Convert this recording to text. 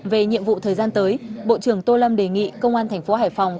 về nhiệm vụ thời gian tới bộ trưởng tô lâm đề nghị công an thành phố hải phòng